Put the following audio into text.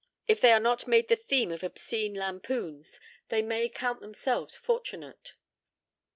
If they are not made the theme of obscene lampoons they may count themselves fortunate.